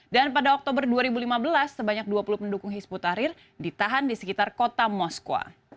dan pada oktober dua ribu lima belas sebanyak dua puluh pendukung hizbut tahrir ditahan di sekitar kota moskwa